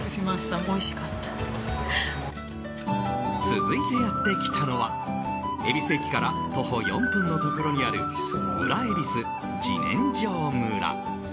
続いてやってきたのは恵比寿駅から徒歩４分のところにある裏恵比寿自然生村。